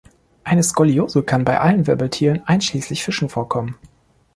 Eine Skoliose kann bei allen Wirbeltieren einschließlich Fischen vorkommen.